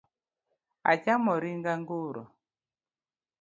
Achamo ring' anguro